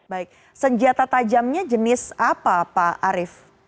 baik senjata tajamnya jenis apa pak arief